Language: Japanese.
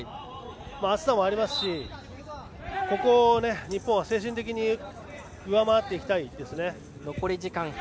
暑さもありますしここを日本は精神的に上回っていきたいですね。